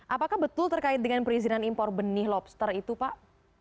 apakah betul terkait dengan perizinan impor benih lobster itu pak